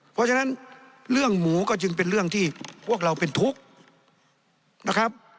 เพราะฉะนั้นเรื่องหมูก็จึงเป็นเรื่องที่พวกเราเป็นทุกข์นะครับ